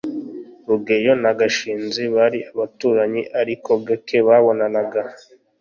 rugeyo na gashinzi bari abaturanyi, ariko gake babonanaga